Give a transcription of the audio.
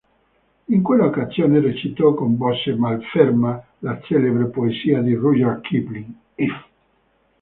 In quella occasione recitò con voce malferma la celebre poesia di Rudyard Kipling "If".